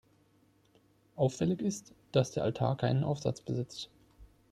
Auffällig ist, dass der Altar keinen Aufsatz besitzt.